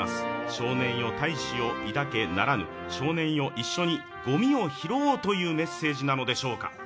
少年よ大志を抱けならぬ、少年よ一緒にごみを拾おうというメッセージなのでしょうか。